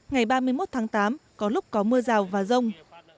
ngày ba mươi một tháng tám có lúc có mưa rào và rông